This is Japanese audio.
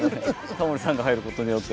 タモリさんが入る事によって。